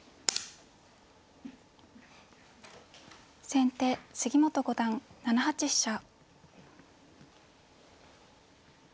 先手杉本五段７八飛車。